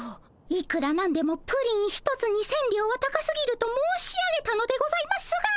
いくら何でもプリン一つに千両は高すぎると申し上げたのでございますが。